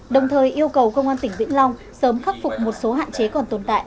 đồng thời yêu cầu công an tỉnh vĩnh long sớm khắc phục một số hạn chế còn tồn tại